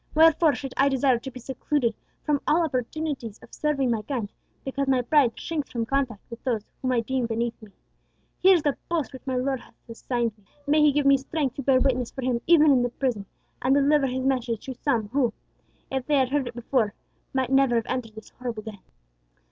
Wherefore should I desire to be secluded from all opportunities of serving my kind, because my pride shrinks from contact with those whom I deem beneath me? Here is the post which my Lord has assigned me. May He give me strength to bear witness for Him even in the prison, and deliver His message to some who, if they had heard it before, might never have entered this horrible den."